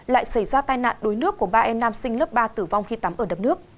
lại xảy ra tai nạn đuối nước của ba em nam sinh lớp ba tử vong khi tắm ở đập nước